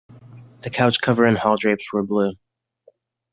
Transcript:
The couch cover and hall drapes were blue.